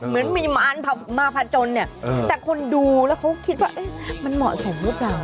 เหมือนมีมารมาผจญเนี่ยแต่คนดูแล้วเขาคิดว่ามันเหมาะสมหรือเปล่า